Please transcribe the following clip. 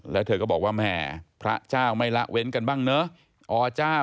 แล้วเธอก็บอกว่าแหมพระเจ้าไม่ละเว้นกันบ้างเนอะ